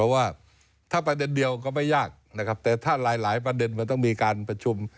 ว่าถ้าประเด็นเดียวก็ไม่ยากนะครับแต่ถ้าหลายประเด็นมันต้องมีการประชุม